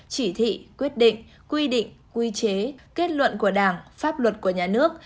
chỉ thị quyết định quy định quy chế kết luận của đảng pháp luật của nhà nước